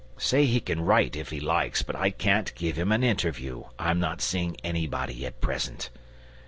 Say he can write if he likes, but I can't give him an interview. I'm not seeing anybody at present."